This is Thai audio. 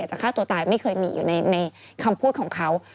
จะฆ่าตัวตายไม่เคยมีอยู่ในคำพูดของเขา